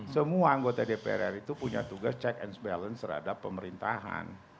semua anggota dpr ri itu punya tugas check and balance terhadap pemerintahan